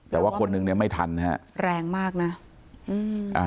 แต่ว่าคนหนึ่งไม่ทันแรงมากนะ